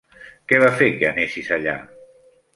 Què va fer que anessis allà?